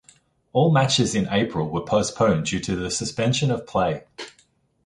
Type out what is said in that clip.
All matches in April were postponed due to the suspension of play.